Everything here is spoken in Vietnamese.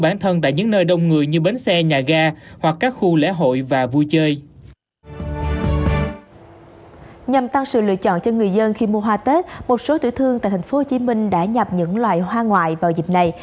nhằm tăng sự lựa chọn cho người dân khi mua hoa tết một số tiểu thương tại tp hcm đã nhập những loài hoa ngoại vào dịp này